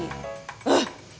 gitu dari tadi